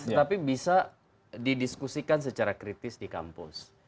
tetapi bisa didiskusikan secara kritis di kampus